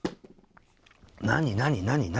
何何何何？